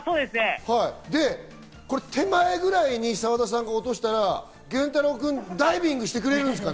手前ぐらいに澤田さんが落としたら玄太郎くんはダイビングしてくれるんですか？